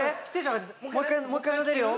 もう１回なでるよ。